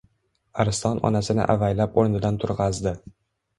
Arslon onasini avaylab o‘rnidan turg‘azdi